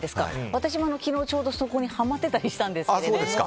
私も昨日ちょうど、そこにはまってたりしたんですけど。